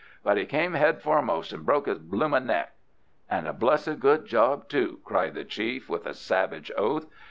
"But he came head foremost and broke his bloomin' neck." "And a blessed good job too!" cried the chief, with a savage oath.